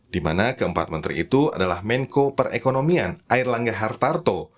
di mana keempat menteri itu adalah menko perekonomian air langga hartarto